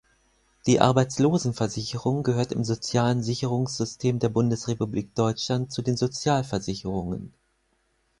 Die Arbeitslosenversicherung gehört im sozialen Sicherungssystem der Bundesrepublik Deutschland zu den Sozialversicherungen.